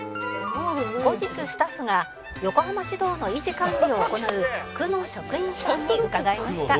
「後日スタッフが横浜市道の維持・管理を行う区の職員さんに伺いました」